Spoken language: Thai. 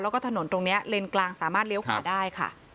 แล้วก็ถนนตรงนี้เลนกลางสามารถเลี้ยวขวาได้ค่ะ